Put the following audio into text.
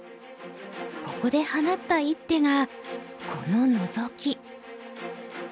ここで放った一手がこのノゾキ。